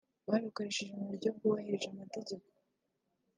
babikoreshe mu buryo bwubahirije amategeko